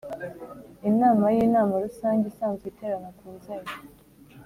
Inama y inama rusange isanzwe iterana ku nzego